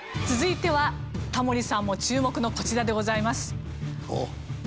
続いてはタモリさんも注目のこちらでございます。